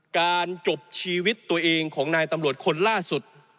การจบชีวิตตัวเองของนายตำรวจคนล่าสุด